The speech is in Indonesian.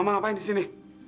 mama ngapain disini